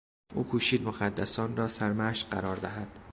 او کوشید مقدسان را سرمشق قرار دهد.